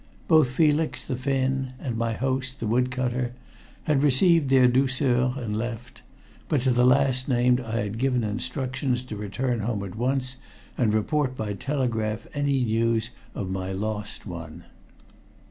Both Felix, the Finn, and my host, the wood cutter, had received their douceurs and left, but to the last named I had given instructions to return home at once and report by telegraph any news of my lost one.